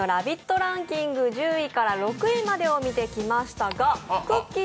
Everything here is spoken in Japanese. ランキング、１０位から６位までを見てきましたが、くっきー！